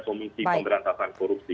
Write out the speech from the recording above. komisi pemberantasan korupsi